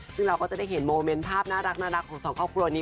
ซึ่งเราก็จะได้เห็นโมเมนต์ภาพน่ารักของสองครอบครัวนี้